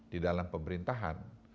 di dalam pemerintahan